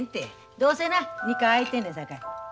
どうせな２階空いてんねやさかい。